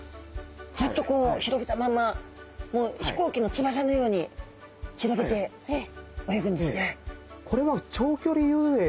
ずっとこう広げたまんま飛行機の翼のように広げて泳ぐんですね。